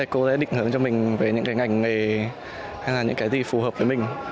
cô sẽ định hướng cho mình về những cái ngành nghề hay là những cái gì phù hợp với mình